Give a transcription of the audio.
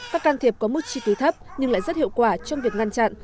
các can thiệp có mức trí tư thấp nhưng lại rất hiệu quả trong việc ngăn chặn